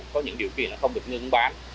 có những điều kỳ là không được ngưng bán